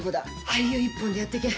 俳優一本でやってけ。